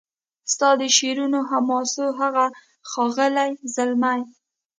ستا د شعرونو حماسو هغه ښاغلی زلمی